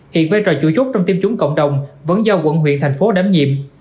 hiện vai trò chủ chốt trong tiêm chủng cộng đồng vẫn do quận huyện thành phố đảm nhiệm